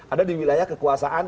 ada di wilayah kekuasaan